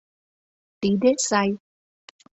— Тиде сай...